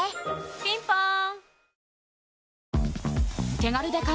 ピンポーン